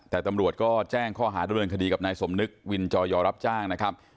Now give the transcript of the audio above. แต่ตำรวจก็แจ้งข้อหาดำเนินคดีกับนายสมนึกวินจอยอรับจ้างนะครับ